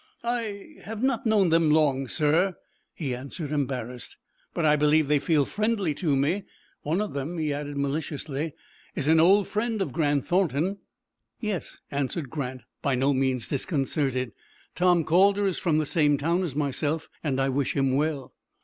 "I have not known them long, sir," he answered, embarrassed, "but I believe they feel friendly to me. One of them," he added, maliciously, "is an old friend of Grant Thornton." "Yes," answered Grant, by no means disconcerted. "Tom Calder is from the same town as myself, and I wish him well."